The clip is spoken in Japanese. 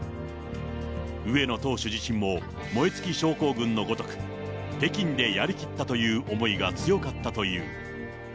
上野投手自身も燃え尽き症候群のごとく、北京でやりきったという思いが強かったという。